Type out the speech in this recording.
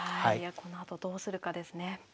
このあとどうするかですね。